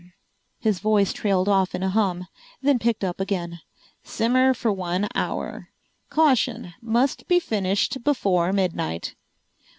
His voice trailed off in a hum, then picked up again. "Simmer for one hour. Caution: MUST BE FINISHED BEFORE MIDNIGHT."